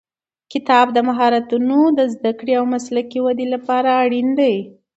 کتاب د مهارتونو د زده کړې او مسلکي ودې لپاره اړین دی.